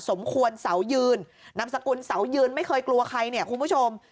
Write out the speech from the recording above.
สมควรเสายืนนามสกุลเสายืนไม่เคยกลัวใครเนี่ยคุณผู้ชม